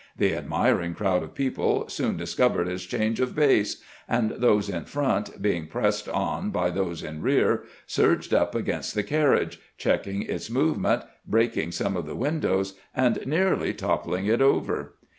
The admiring crowd of people soon discovered his change of base, and those in front, being pressed on by those in rear, surged up against the carriage, check ing its movement, breaking some of the windows, and nearly toppling it over.